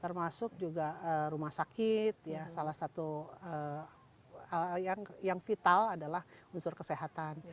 termasuk juga rumah sakit salah satu yang vital adalah unsur kesehatan